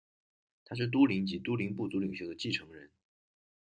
他是都灵及都灵部族领袖的继承人。